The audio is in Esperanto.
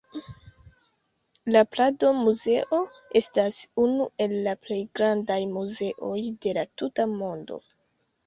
La Prado-Muzeo estas unu el la plej grandaj muzeoj de la tuta mondo.